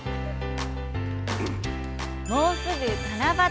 もうすぐ七夕。